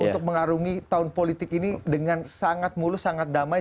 untuk mengarungi tahun politik ini dengan sangat mulus sangat damai